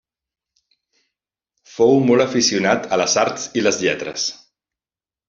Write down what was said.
Fou molt aficionat a les arts i les lletres.